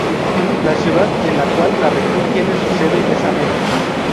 La ciudad en la cual la región tiene su sede es Ameca.